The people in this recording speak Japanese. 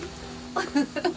ウフフッ。